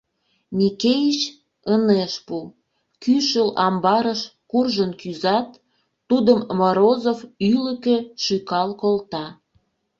Микеич ынеж пу, кӱшыл амбарыш куржын кӱзат, тудым Морозов ӱлыкӧ шӱкал колта...